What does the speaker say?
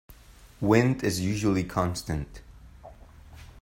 Wind is usually constant.